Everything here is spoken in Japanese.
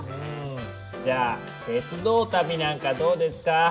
じゃあ鉄道旅なんかどうですか？